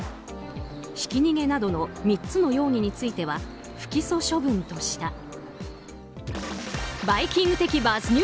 ひき逃げなどの３つの容疑については不起訴処分とした。